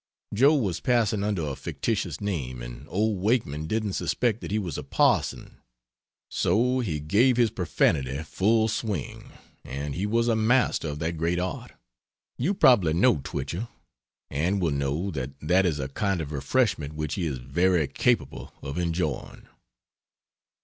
Joe was passing under a fictitious name, and old Wakeman didn't suspect that he was a parson; so he gave his profanity full swing, and he was a master of that great art. You probably know Twichell, and will know that that is a kind of refreshment which he is very capable of enjoying.